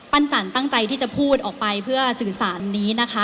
จันตั้งใจที่จะพูดออกไปเพื่อสื่อสารนี้นะคะ